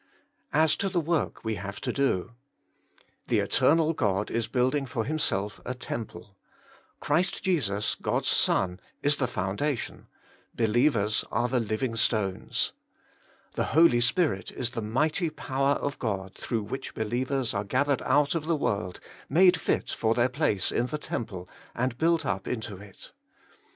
As to the zi'ork ivc have to do. — The eter nal God is building for Himself a temple; Christ Jesus, God's Son, is the foundation ; believers are the living stones. The Holy Spirit is the mighty power of God through which believers are gathered out of the world made fit for their place in the tem ple, and built up into it.